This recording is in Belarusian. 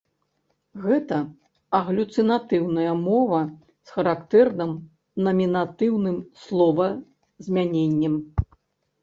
Гэта аглюцінатыўная мова з характэрным намінатыўным словазмяненнем.